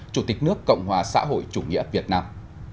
chủ tịch nước cộng hòa xã hội chủ nghĩa việt nam